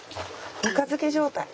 ぬか漬け状態。